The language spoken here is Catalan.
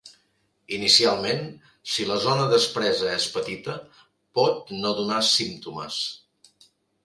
Inicialment, si la zona despresa és petita, pot no donar símptomes.